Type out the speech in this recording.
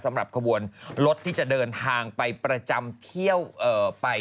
สำหรับขบวนรถที่จะเดินทางไปประจำเที่ยวไป